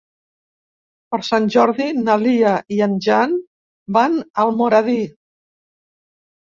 Per Sant Jordi na Lia i en Jan van a Almoradí.